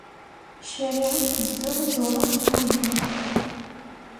Ccariɛa-k tezdeɣ iẓuran n wul-iw.